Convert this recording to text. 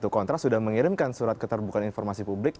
kontras sudah mengirimkan surat keterbukaan informasi publik